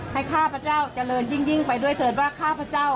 ข้าพเจ้าเจริญยิ่งไปด้วยเถิดว่าข้าพเจ้า